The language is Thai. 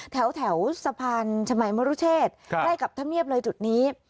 แถวสะพานชมัยมรุเชศได้กับท่านเมียบเลยจุดนี้